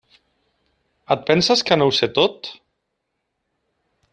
Et penses que no ho sé tot?